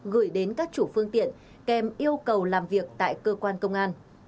gửi đến các chủ phương tiện kèm yêu cầu làm việc tại cơ quan công an